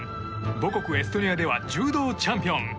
母国エストニアでは柔道チャンピオン。